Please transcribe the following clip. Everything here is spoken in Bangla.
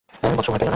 বৎস, ভয় পাইও না।